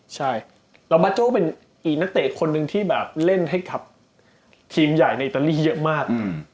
ใช่แล้วมาโจ้เป็นอีกนักเตะคนหนึ่งที่แบบเล่นให้กับทีมใหญ่ในอิตาลีเยอะมาก